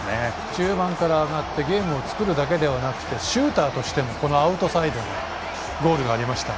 中盤から上がってゲームを作るだけではなくてシューターとしてもアウトサイドのゴールがありました。